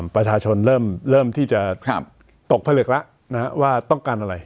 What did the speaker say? ประชาชนเริ่มเริ่มที่จะครับตกเผลอแล้วนะฮะว่าต้องการอะไร